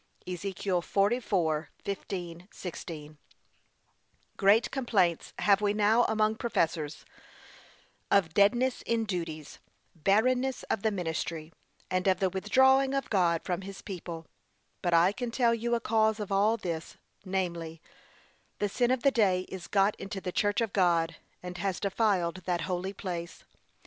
(Ezek. 44:15, 16) Great complaints have we now among professors, of deadness in duties, barrenness of the ministry, and of the withdrawing of God from his people; but I can tell you a cause of all this, namely, the sin of the day is got into the church of God, and has defiled that holy place.